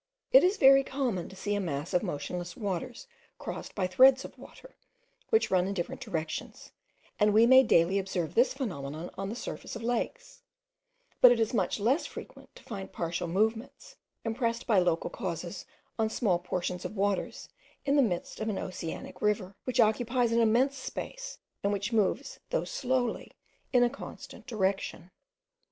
It is very common to see a mass of motionless waters crossed by threads of water, which run in different directions, and we may daily observe this phenomenon on the surface of lakes; but it is much less frequent to find partial movements, impressed by local causes on small portions of waters in the midst of an oceanic river, which occupies an immense space, and which moves, though slowly, in a constant direction.